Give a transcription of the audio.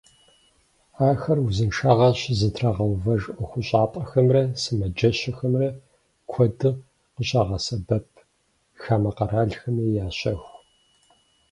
Ахэр узыншагъэр щызэтрагъэувэж ӏуэхущӏапӏэхэмрэ сымаджэщхэмрэ куэду къыщагъэсэбэп, хамэ къэралхэми ящэху.